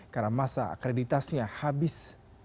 karena masa akreditasnya habis